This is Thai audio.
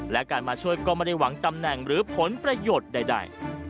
และการมาช่วยก็ไม่ได้หวังตำแหน่งหรือผลประโยชน์ใด